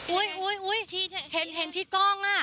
อุ๊ยเห็นที่กล้องอ่ะ